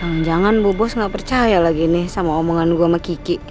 jangan jangan bu bos gak percaya lagi nih sama omongan gue sama kiki